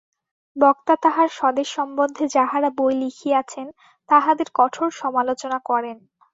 বক্তা তাঁহার স্বদেশ সম্বন্ধে যাঁহারা বই লিখিয়াছেন, তাঁহাদের কঠোর সমালোচনা করেন।